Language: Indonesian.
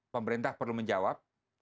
pemerintah perlu menjawab